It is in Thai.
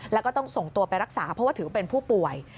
แล้วก็ต้องส่งตัวไปรักษาเพราะว่าถือเป็นผู้ป่วย